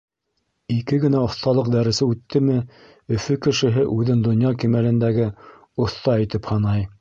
Ике генә оҫталыҡ дәресе үттеме, Өфө кешеһе үҙен донъя кимәлендәге оҫта итеп һанай.